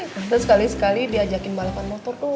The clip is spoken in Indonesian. ternyata sekali sekali diajakin balapan motor tuh